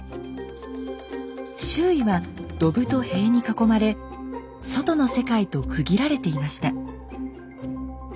周囲はどぶと塀に囲まれ外の世界と区切られていました。